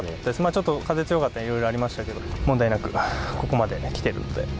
ちょっと風強かったり、いろいろありましたけど、問題なく、ここまで来ているので。